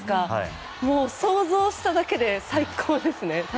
想像しただけで最高ですね。